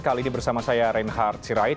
kali ini bersama saya reinhard sirait